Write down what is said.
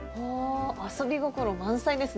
遊び心満載ですね。